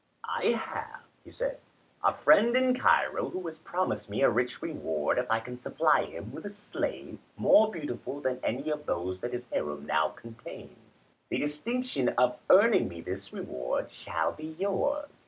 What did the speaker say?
"I have," he said, "a friend in Cairo who has promised me a rich reward if I can supply him with a slave, more beautiful than any of those that his harem now contains. The distinction of earning me this reward shall be yours."